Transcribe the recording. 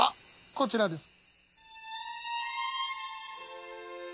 こちらです。